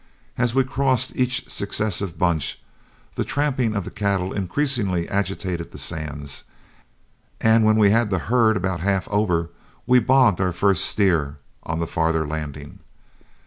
As we crossed each successive bunch, the tramping of the cattle increasingly agitated the sands, and when we had the herd about half over, we bogged our first steer on the farther landing.